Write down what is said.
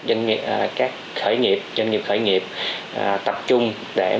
doanh nghiệp khởi nghiệp tập trung để phát triển lĩnh vực này tại việt nam lĩnh vực robot đang